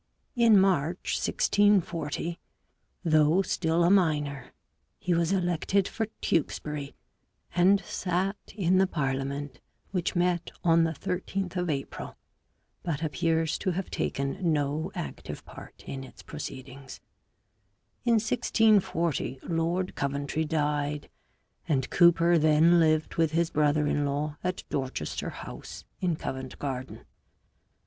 In Marcy 1640, though still a minor, he was elected for Tewkesbury, and sat in the parlia ment which met on the 13th of April, but appears to have taken no active part in its proceedings. In 1640 Lord Coventry died, and Cooper then lived with his brother in law at Dorchester House in Covent Garden.